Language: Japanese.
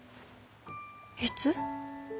いつ？